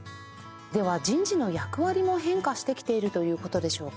では人事の役割も変化してきているという事でしょうか？